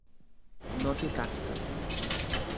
No té tacte.